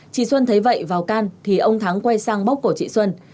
chị xuân thấy vậy vào can thì ông thắng quay sang bóc cổ chị xuân